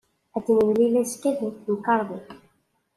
Ad nemlil azekka deg temkarḍit.